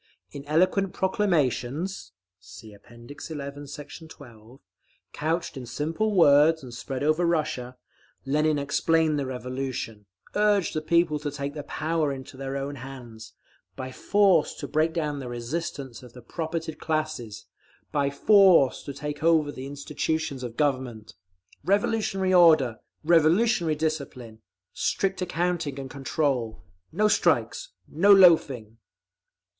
In eloquent proclamations, (See App. XI, Sect. 12) couched in simple words and spread over Russia, Lenin explained the Revolution, urged the people to take the power into their own hands, by force to break down the resistance of the propertied classes, by force to take over the institutions of Government. Revolutionary order. Revolutionary discipline! Strict accounting and control! No strikes! No loafing!